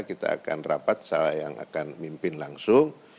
kita akan rapat salah yang akan mimpin langsung